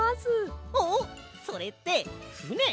あっそれってふね？